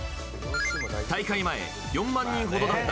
大会前、４万人ほどだった